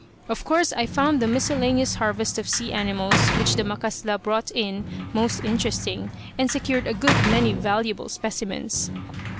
Of course I found the miscellaneous harvest of sea animals which the "macasla" brought in most interesting, and secured a good many valuable specimens.